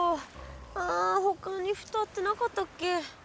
あほかに蓋ってなかったっけ？